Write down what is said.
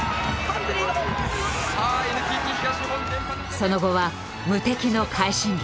その後は無敵の快進撃。